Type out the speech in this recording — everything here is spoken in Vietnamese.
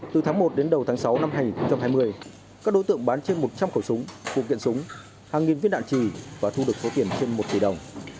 từ tháng một đến đầu tháng sáu năm hai nghìn hai mươi các đối tượng bán trên một trăm linh khẩu súng phụ kiện súng hàng nghìn viên đạn trì và thu được số tiền trên một tỷ đồng